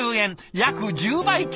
約１０倍強！